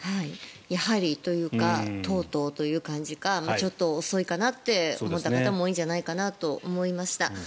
やはりというかとうとうという感じかちょっと遅いかなって思った方も多いんじゃないかなと思いました。